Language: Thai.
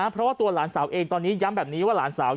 เพราะว่าตัวหลานสาวเองตอนนี้ย้ำแบบนี้ว่าหลานสาว